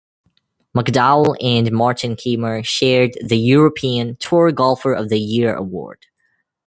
McDowell and Martin Kaymer shared the European Tour Golfer of the Year award.